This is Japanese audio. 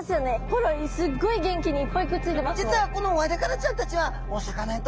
ほらすっごい元気にいっぱいくっついてますもん。